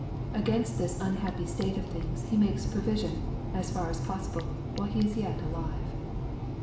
Against this unhappy state of things he makes provision, as far as possible, while he is yet alive.